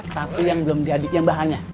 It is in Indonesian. tapi yang belum diadikin bahannya